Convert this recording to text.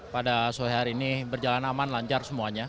pada sore hari ini berjalan aman lancar semuanya